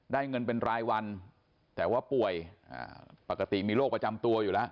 ได้เงินเป็นรายวันแต่ว่าป่วยปกติมีโรคประจำตัวอยู่แล้ว